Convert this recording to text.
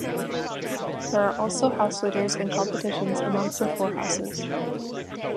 There are also house leaders and competitions amongst the four houses.